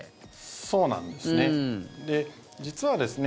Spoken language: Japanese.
そうなんですね。